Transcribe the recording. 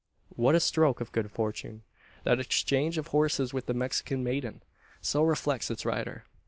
What a stroke of good fortune that exchange of horses with the Mexican maiden! So reflects its rider.